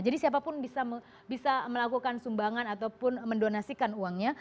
jadi siapapun bisa melakukan sumbangan ataupun mendonasikan uangnya